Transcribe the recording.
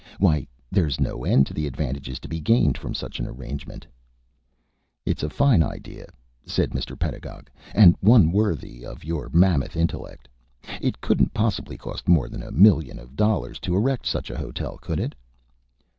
Why, there's no end to the advantages to be gained from such an arrangement." "It's a fine idea," said Mr. Pedagog, "and one worthy of your mammoth intellect. It couldn't possibly cost more than a million of dollars to erect such a hotel, could it?"